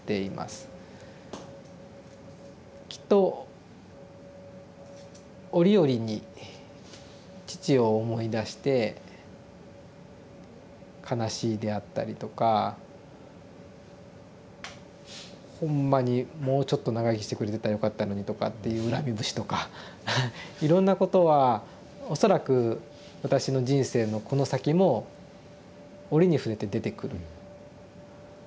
きっと折々に父を思い出して「悲しい」であったりとか「ほんまにもうちょっと長生きしてくれてたらよかったのに」とかっていう恨み節とかいろんなことは恐らく私の人生のこの先も折に触れて出てくる。